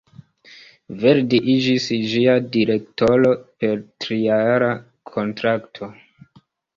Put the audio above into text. Verdi iĝis ĝia direktoro per trijara kontrakto.